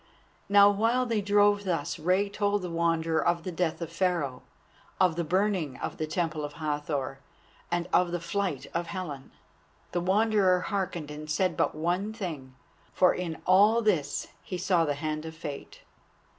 Now while they drove thus Rei told the Wanderer of the death of Pharaoh, of the burning of the Temple of Hathor, and of the flight of Helen. The Wanderer hearkened and said but one thing, for in all this he saw the hand of Fate.